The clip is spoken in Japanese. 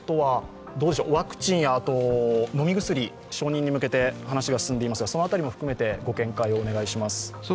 ワクチンや飲み薬承認に向けて話が進んでいますが、その辺りも含めてご見解をお願いします。